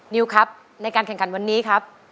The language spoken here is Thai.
นิวครับในการแข่งขันวันนี้ครับ